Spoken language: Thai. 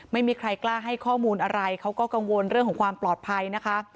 ไม่มีใครกล้าให้ข้อมูลอะไรเขาก็กังวลเรื่องของความปลอดภัยนะคะ